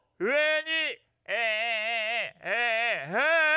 ええ。